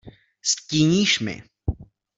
Stíníš mi.